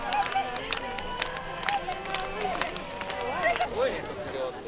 すごいね卒業って。